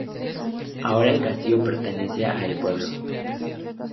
Ahora el castillo pertenece a el pueblo